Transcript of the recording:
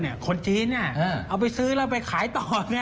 มีคนจีนก็เอาไปกับเงินแล้วไปขายต่อ